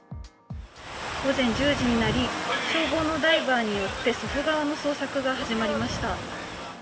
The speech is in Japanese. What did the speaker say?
午前１０時になり消防のダイバーによって祖父川の捜索が始まりました。